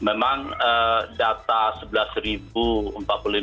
memang data sebelas empat puluh lima anak yang diberikan kelas